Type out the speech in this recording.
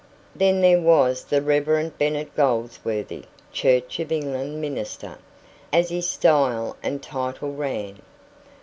Then there was the Reverend Bennet Goldsworthy, "Church of England minister", as his style and title ran.